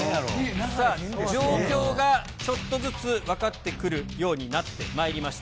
さあ、状況がちょっとずつ分かってくるようになってまいりました。